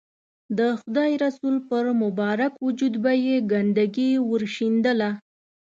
د خدای رسول پر مبارک وجود به یې ګندګي ورشیندله.